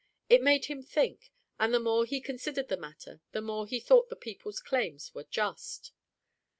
It made him think, and the more he considered the matter the more he thought the people's claims were just.